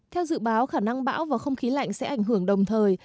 theo dự báo khả năng bão và không khí lạnh sẽ ảnh hưởng đồng thời